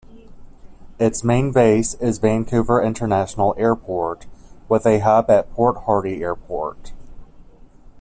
Its main base is Vancouver International Airport, with a hub at Port Hardy Airport.